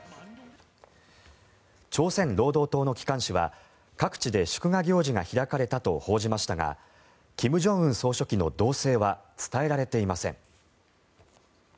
朝鮮労働党の機関紙は各地で祝賀行事が開かれたと報じましたが金正恩総書記の動静は伝えられていません。